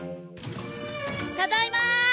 ただいま！